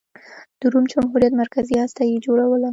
د روم جمهوریت مرکزي هسته یې جوړوله.